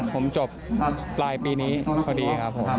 ผมจบปลายปีนี้พอดีครับผม